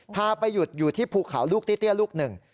พาไปหยุดอยู่ที่ภูเขาลูกเตี้ยลูกหนึ่ง